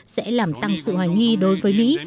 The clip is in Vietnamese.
sẽ làm tăng sự hoài nghi đối với mỹ